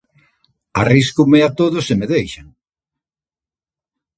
Arríscome a todo se me deixan.